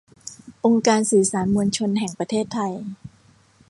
องค์การสื่อสารมวลชนแห่งประเทศไทย